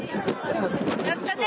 やったね！